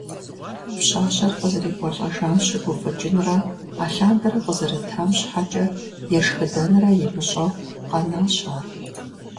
Пщащэр къызэрекӀуэлӀэжам щыгуфӀыкӀынрэ алъандэрэ къызэрытам щхьэкӀэ ешхыдэнрэ имыщӀэу, къэнащ ар.